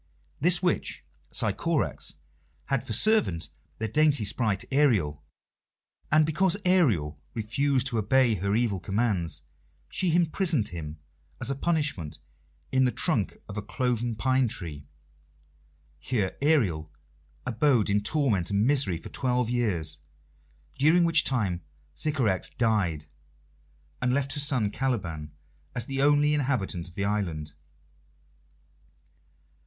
This witch Sycorax had for servant the dainty sprite Ariel, and because Ariel refused to obey her evil commands she imprisoned him as a punishment in the trunk of a cloven pine tree. Here Ariel abode in torment and misery for twelve years, during which time Sycorax died, and left her son Caliban as the only inhabitant of the island.